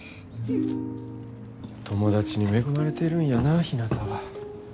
友達に恵まれてるんやなひなたは。